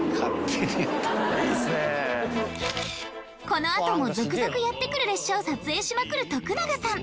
このあとも続々やって来る列車を撮影しまくる徳永さん。